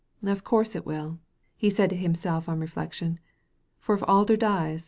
"Of course it will," he said to himself on reflection, " for if Alder dies.